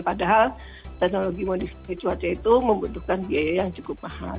padahal teknologi modifikasi cuaca itu membutuhkan biaya yang cukup mahal